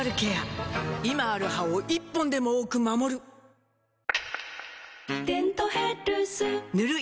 今ある歯を１本でも多く守る「デントヘルス」塗る医薬品も